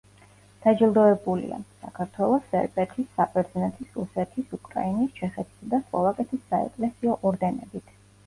დაჯილდოებულია: საქართველოს, სერბეთის, საბერძნეთის, რუსეთის, უკრაინის, ჩეხეთისა და სლოვაკეთის საეკლესიო ორდენებით.